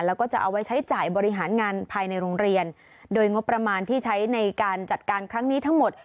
แล้วก็จะเอาไว้ใช้จ่ายบริหารงานภายในโรงเรียนโดยงบประมาณที่ใช้ในการจัดการครั้งนี้ทั้งหมด